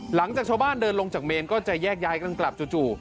หลังจากชาวบ้านเดินลงจากเมนก็จะแยกย้ายกันกลับจู่